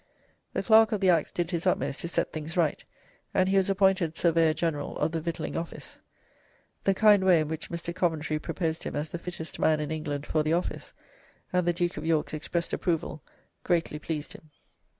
The Clerk of the Acts did his utmost to set things right, and he was appointed Surveyor General of the Victualling Office. The kind way in which Mr. Coventry proposed him as "the fittest man in England" for the office, and the Duke of York's expressed approval, greatly pleased him.